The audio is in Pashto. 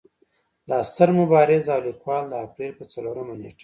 دا ستر مبارز او ليکوال د اپرېل پۀ څلورمه نېټه